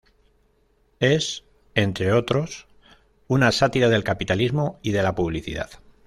Es, entre otros, una sátira del capitalismo y de la publicidad.